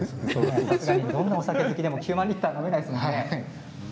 どんなお酒好きでも９万リッターは飲めないですよね。